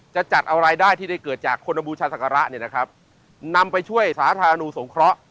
จะจัดเอารายได้ที่ได้เกิดจากคนบูชาศักระเนี่ยนะครับนำไปช่วยสาธารณูสงเคราะห์